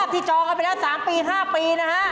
ภาพที่จองคำประจะแล้ว๓ปี๕ปีนะคะ